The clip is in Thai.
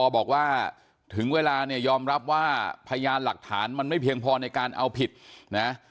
บอกว่าถึงเวลาเนี่ยยอมรับว่าพยานหลักฐานมันไม่เพียงพอในการเอาผิดนะ